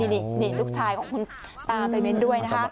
นี่ลูกชายของคุณตาไปเน้นด้วยนะคะ